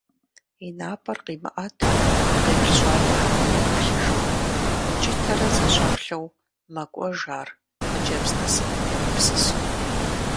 И напӏэр къимыӏэту, къеплъ щӏалэхэми емыплъыжу, укӏытэрэ зэщӏэплъэу мэкӏуэж ар хъыджэбз насыпым егупсысу.